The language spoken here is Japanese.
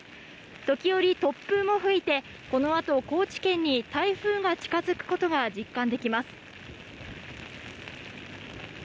時折突風も吹いて、このあと高知県に台風が近づくことが実感できます。